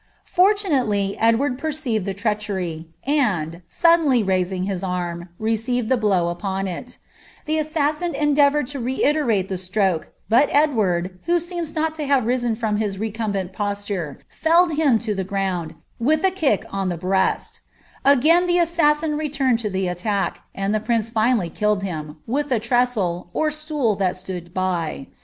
For Sdward perceived the treachery, and, suddenly raising his arm, he blow upon it The assassin endeavoured to reiterate the t Edward, who seems not yet to have risen from his recumbent tiled him to the ground, with a kick on the breast : again the etumed to the attack, and the prince finally killed him, with a r stool, that stood by.